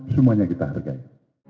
semuanya kita hargai